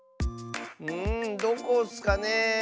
んどこッスかね？